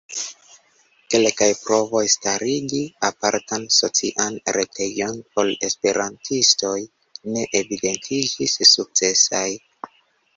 Kelkaj provoj starigi apartan socian retejon por esperantistoj ne evidentiĝis sukcesaj.